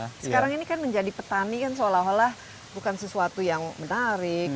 karena sekarang ini kan menjadi petani kan seolah olah bukan sesuatu yang menarik